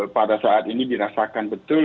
pada saat ini dirasakan betul